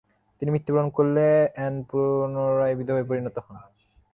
তিনি মৃত্যুবরণ করলে অ্যান পুনরায় বিধবায় পরিণত হন।